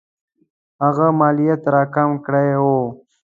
هغه مالیات را کم کړي وو.